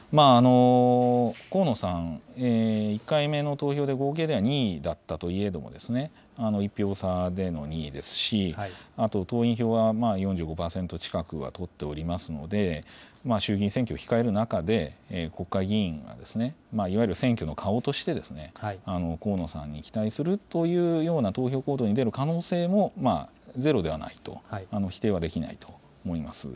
河野さん、１回目の投票で合計では２位だったといえども、１票差での２位ですし、あと党員票は４５％近くは取っておりますので、衆議院選挙を控える中で、国会議員が、いわゆる選挙の顔として、河野さんに期待するというような投票行動に出る可能性もゼロではないと、否定はできないと思います。